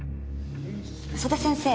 曽田先生。